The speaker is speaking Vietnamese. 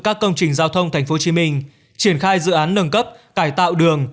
các công trình giao thông tp hcm triển khai dự án nâng cấp cải tạo đường